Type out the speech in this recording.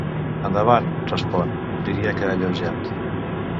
Endavant —respon, diria que alleujat.